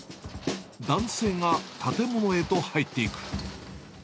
男性が建物へと入っていく。